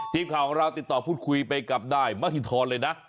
ทีมข่าวของเราติดต่อพูดคุยไปกับนายมหิธรเลยนะ